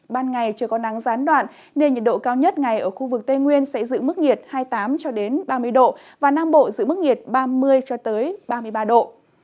ban ngày trời có nắng gián đoạn nên nhiệt độ cao nhất ngày ở khu vực tây nguyên sẽ giữ mức nhiệt hai mươi tám ba mươi độ và nam bộ giữ mức nhiệt ba mươi ba mươi ba độ